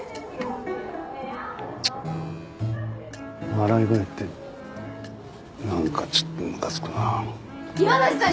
笑い声ってなんかちょっとムカつくな今立さん